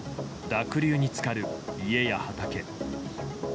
濁流に浸かる家や畑。